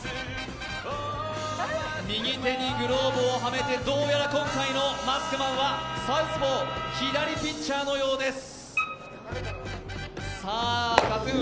右手にグローブをはめてどうやら今回のマスクマンはサウスポー、左ピッチャーのようです。